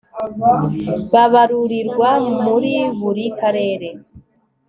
babarurirwa muri buri Karere